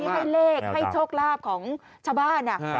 ให้เลขให้โชคลาภของชาวบ้าน